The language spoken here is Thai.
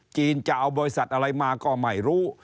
จะเอาบริษัทอะไรมาก็ไม่รู้